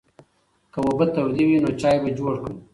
که اوبه تودې وي نو چای به جوړ کړم.